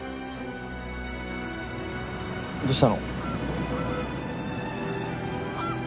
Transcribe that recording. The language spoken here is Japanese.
どうしたの？